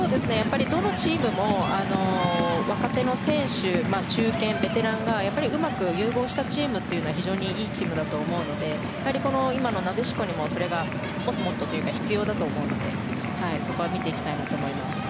どのチームも若手の選手、中堅、ベテランがうまく融合したチームというのは非常にいいチームだと思うので今のなでしこにもそれがもっともっと必要だと思うのでそこは見ていきたいなと思います。